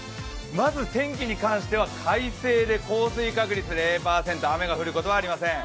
まず天気に関しては快晴で、降水確率０％で雨が降ることはありません。